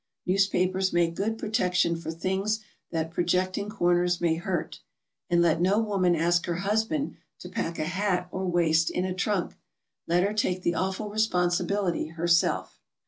Newspapers make good protection for things that projecting corners nia^/ hurt. And let no woman ask her husband to pack a hat or waist in a trunk. Let her take the awful responsibility her self.